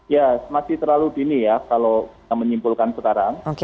ya masih terlalu dini ya kalau kita menyimpulkan sekarang